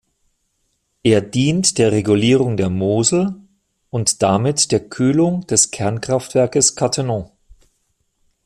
Er dient der Regulierung der Mosel und damit der Kühlung des Kernkraftwerkes Cattenom.